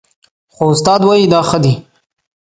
خو استاد وايي دا ښه دي